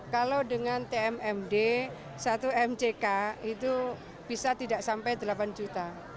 kalau dengan tmmd satu mck itu bisa tidak sampai delapan juta